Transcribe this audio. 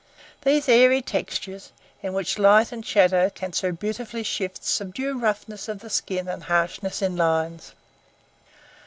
These airy textures, in which light and shadow can so beautifully shift, subdue roughnesses of the skin and harshness in lines.